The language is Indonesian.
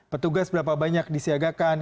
petugas berapa banyak disiagakan